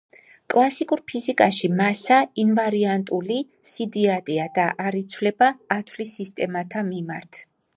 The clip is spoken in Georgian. კლასიკურ ფიზიკაში მასა ინვარიანტული სიდიდეა და არ იცვლება ათვლის სისტემათა მიმართ.